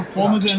kulfuma dan rosak